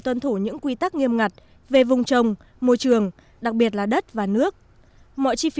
tuân thủ những quy tắc nghiêm ngặt về vùng trồng môi trường đặc biệt là đất và nước mọi chi phí